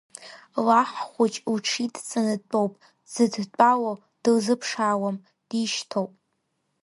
Лаҳ хәыҷ лыҽидҵаны дтәоуп, дзыдтәалоу, дылзыԥшаауам, дишьҭоуп.